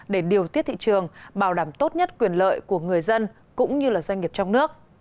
để điều tiết cho các doanh nghiệp nước ngoài phát triển